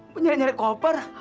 gue nyari nyari koper